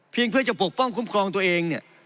เพื่อจะปกป้องคุ้มครองตัวเองเนี่ย